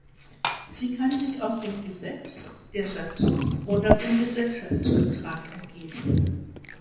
Sie kann sich aus dem Gesetz, der Satzung oder dem Gesellschaftsvertrag ergeben.